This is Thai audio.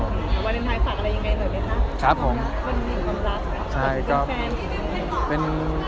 วันเด็นไทยฝากอะไรยังไงหน่อยด้วยครับวันดินความรักวันที่เป็นแฟน